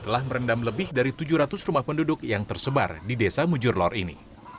telah merendam lebih dari tujuh ratus rumah penduduk yang tersebar di desa mujurlor ini